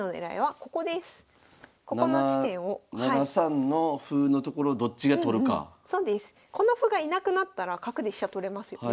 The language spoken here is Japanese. この歩がいなくなったら角で飛車取れますよね。